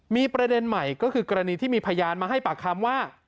มีประเด็นใหม่ก็คือกรณีที่มีพยานมาให้ปากคำว่า